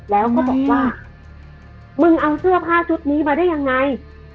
แล้วก็บอกว่ามึงเอาเสื้อผ้าชุดนี้มาได้ยังไง